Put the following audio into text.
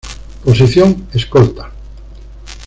Posición: Escolta.